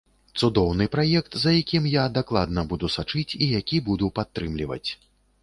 Цудоўны праект, за якім я дакладна буду сачыць і які буду падтрымліваць.